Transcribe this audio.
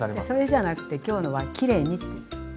それじゃなくて今日のはきれいにって。